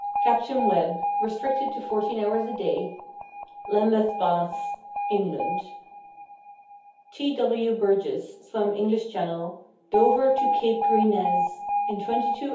Capt. Webb (restricted to 14 hours a day), Lambeth Baths, England. T. W. Burgess swam English channel, Dover to Cape Grisnez, in 22 h.